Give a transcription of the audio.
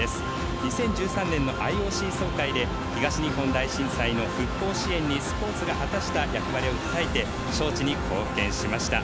２０１３年のＩＯＣ総会で東日本大震災の復興支援にスポーツが果たした役割をたたえ招致に貢献しました。